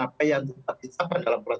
apa yang sudah ditetapkan dalam proses